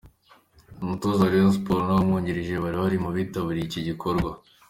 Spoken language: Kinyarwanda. Umutoza wa Rayon Sports n'abamwungirije bari bari mu bitabiriye iki gikorwa.